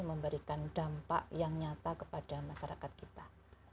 memberikan dampak yang nyata kepada masyarakat kita